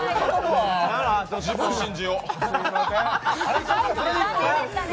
自分を信じよう。